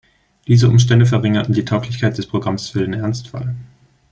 Diese Umstände verringerten die Tauglichkeit des Programms für den Ernstfall.